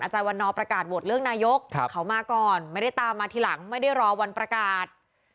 วันนอประกาศโหวตเลือกนายกเขามาก่อนไม่ได้ตามมาทีหลังไม่ได้รอวันประกาศ